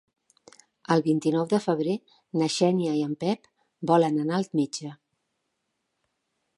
El vint-i-nou de febrer na Xènia i en Pep volen anar al metge.